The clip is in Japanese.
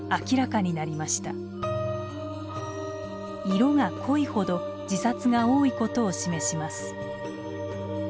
色が濃いほど自殺が多いことを示します。